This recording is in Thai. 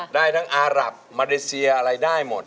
ได้ทั้งอารับมาเลเซียอะไรได้หมด